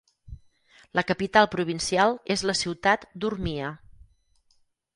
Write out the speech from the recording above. La capital provincial és la ciutat d'Urmia.